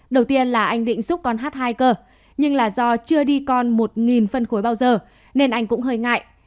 đầu tiên là anh định xúc con hát hai cơ nhưng là do chưa đi con một phân khối bao giờ nên anh cũng hơi ngại